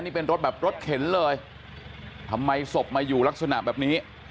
นี่เป็นรถแบบรถเข็นเลยทำไมศพมาอยู่ลักษณะแบบนี้